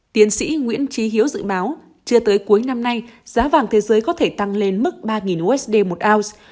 tiến sĩ nguyễn trí hiếu dự báo chưa tới cuối năm nay giá vàng thế giới có thể tăng lên mức ba usd một ounce